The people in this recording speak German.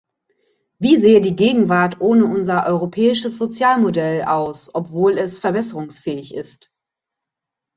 Wie sähe die Gegenwart ohne unser europäisches Sozialmodell aus obwohl es verbesserungsfähig ist?